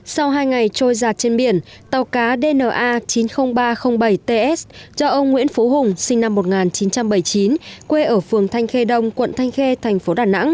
sau hai ngày trôi giặt trên biển tàu cá dna chín mươi nghìn ba trăm linh bảy ts do ông nguyễn phú hùng sinh năm một nghìn chín trăm bảy mươi chín quê ở phường thanh khê đông quận thanh khê thành phố đà nẵng